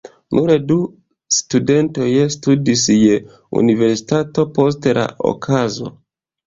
Nur du studentoj studis je universitato post la okazo.